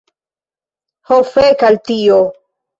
Ho fek al tio.